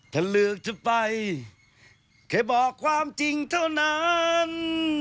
ถ้าเลือกเธอไปแค่บอกความจริงเท่านั้น